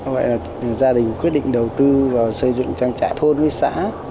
vậy là gia đình quyết định đầu tư vào xây dựng trang trại thôn với xã